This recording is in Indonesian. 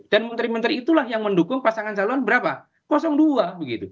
dan menteri menteri itulah yang mendukung pasangan saluran berapa dua begitu